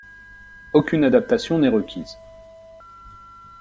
Aucune adaptation n'est requise.